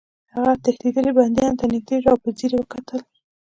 هغه تښتېدلي بندیانو ته نږدې شو او په ځیر یې وکتل